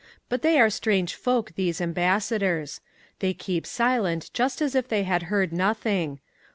But they are strange folk, these ambassadors. They keep silent just as if they had heard nothing.